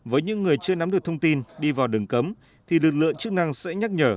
với những người chưa nắm được thông tin đi vào đường cấm thì lực lượng chức năng sẽ nhắc nhở